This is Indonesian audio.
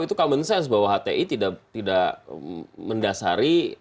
itu common sense bahwa hti tidak mendasari